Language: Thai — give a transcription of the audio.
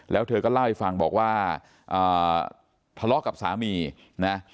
แล้วเธอก็เล่าให้ฟังบอกว่าทะเลาะกับสามีนะ